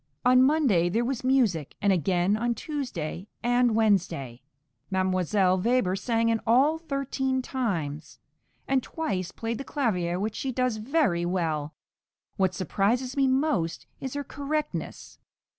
On Monday there was music, and again on Tuesday and Wednesday; Mdlle. Weber sang in all thirteen times, and twice played the clavier, which she does very well. What surprises me most is her correctness.